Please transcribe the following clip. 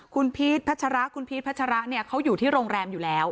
คุณพีชพัชระคุณพีชพัชระเนี่ยเขาอยู่ที่โรงแรมอยู่แล้ว